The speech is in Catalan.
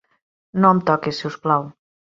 No em toquis, si us plau.